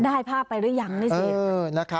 ได้ภาพไปหรือยังนี่สิ